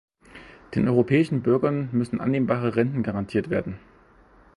Den europäischen Bürgern müssen annehmbare Renten garantiert werden.